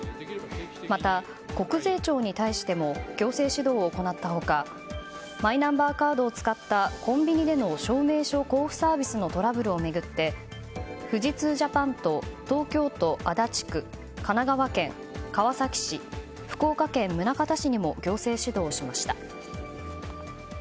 また、国税庁に対しても行政指導を行った他マイナンバーカードを使ったコンビニでの証明書交付サービスのトラブルを巡って富士通Ｊａｐａｎと東京都足立区、神奈川県川崎市福岡県宗像市にも行政指導しました。